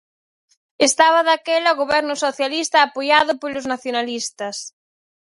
Estaba daquela o Goberno Socialista apoiado polos nacionalistas.